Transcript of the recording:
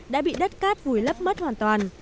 đã bị đất cát vùi lấp mất hoàn toàn